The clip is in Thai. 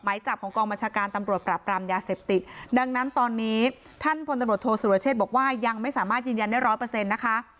จับของกองบัญชาการตำรวจปราบปรามยาเสพติดดังนั้นตอนนี้ท่านพลตำรวจโทษสุรเชษบอกว่ายังไม่สามารถยืนยันได้ร้อยเปอร์เซ็นต์นะคะ